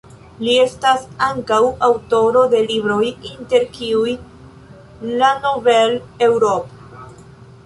Li estas ankaŭ aŭtoro de libroj inter kiuj "La nouvelle Europe.